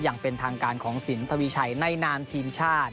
อย่างเป็นทางการของสินทวีชัยในนามทีมชาติ